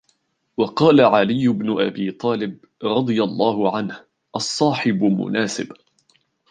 وَقَالَ عَلِيُّ بْنُ أَبِي طَالِبٍ رَضِيَ اللَّهُ عَنْهُ الصَّاحِبُ مُنَاسِبٌ